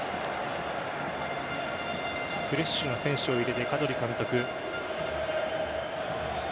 フレッシュな選手を入れているカドリ監督。